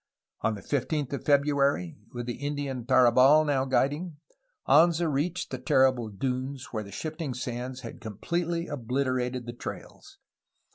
On the fifteenth of February, with the Indian Tarabal low guiding, Anza reached the terrible dunes, where the shifting iands had completely obliterated the trails.